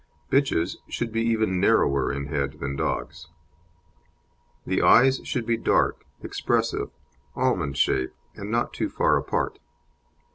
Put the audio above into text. Bitches should be even narrower in head than dogs. THE EYES should be dark, expressive, almond shaped, and not too far apart.